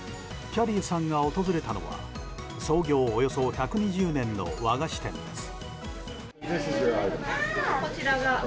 きゃりーさんが訪れたのは創業およそ１２０年の和菓子店です。